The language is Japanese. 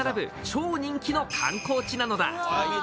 超人気の観光地なのだ